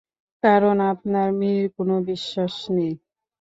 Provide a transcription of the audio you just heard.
কারন আপনার মেয়ের কোন বিশ্বাস নেই।